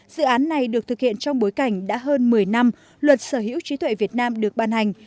dự án này được thực hiện trong bối cảnh đã hơn một mươi năm luật sở hữu trí tuệ việt nam được ban hành